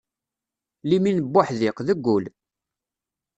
Limin n wuḥdiq, deg wul.